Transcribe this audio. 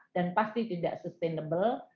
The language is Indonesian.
dan pasti tidak sustainable